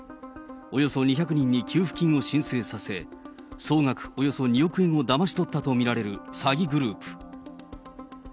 およそ２００人に給付金を申請させ、総額およそ２億円だまし取ったと見られる詐欺グループ。